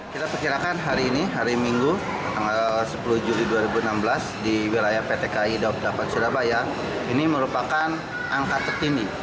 kita perkirakan hari ini hari minggu tanggal sepuluh juli dua ribu enam belas di wilayah pt kai daob delapan surabaya ini merupakan angka tertinggi